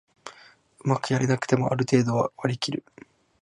うまくやれなくてもある程度は割りきる